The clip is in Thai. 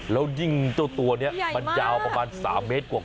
แล้วยิ่งเจ้าตัวนี้มันยาวประมาณ๓เมตรกว่า